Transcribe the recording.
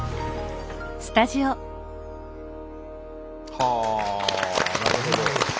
はあなるほど。